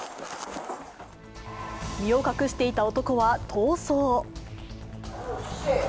身を隠していた男は逃走。